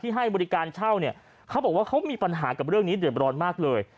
ให้บริการเช่าเนี่ยเขาบอกว่าเขามีปัญหากับเรื่องนี้เดือบร้อนมากเลย